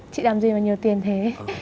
chị làm gì mà nhiều tiền thế